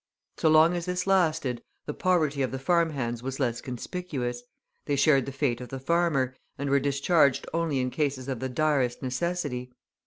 So long as this lasted, the poverty of the farm hands was less conspicuous; they shared the fate of the farmer, and were discharged only in cases of the direst necessity.